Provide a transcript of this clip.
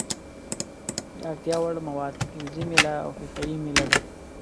د اړتیا وړ مواد فلزي میله او ښيښه یي میله ده.